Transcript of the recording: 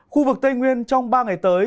khu vực tây nguyên trong ba ngày tới